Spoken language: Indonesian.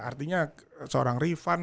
artinya seorang rifan